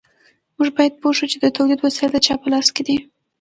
موږ باید پوه شو چې د تولید وسایل د چا په لاس کې دي.